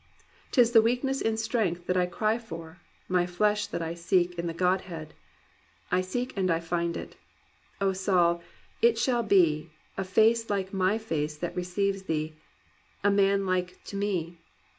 *Tis the weakness in strength that I cry for! my flesh that I seek In the Godhead ! I seek and I find it. O Saul, it shall be, A Face like my face that receives thee; a man like to me.